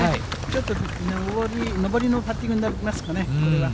ちょっと上りのパッティングになりますかね、これは。